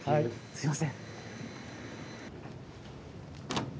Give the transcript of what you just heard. すいません。